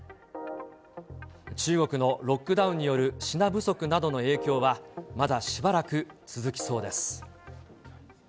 中国のロックダウンによる品不足などの影響は、まだしばらく続きそうです。